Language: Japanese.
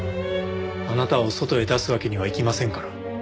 あなたを外へ出すわけにはいきませんから。